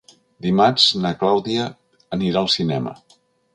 Dimarts na Clàudia anirà al cinema.